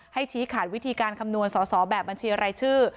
ชี้ขาดวิธีการคำนวณสอสอแบบบัญชีรายชื่อ